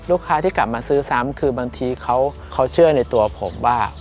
ลูกค้าที่กลับมาซื้อซ้ำคือบางทีเขาเชื่อในตัวผมว่า